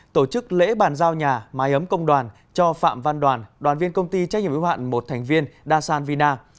tổ chức lễ bàn giao nhà mái ấm công đoàn cho phạm văn đoàn đoàn viên công ty trách nhiệm yếu hạn một thành viên da san vina